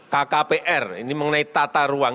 kkpr ini mengenai tata ruang